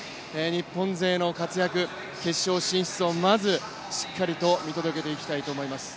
日本勢の活躍決勝進出をまずしっかりと見届けていきたいと思います。